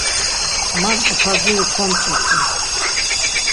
Man uxaziru komç̌opi.